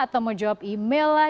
atau mau jawab email lah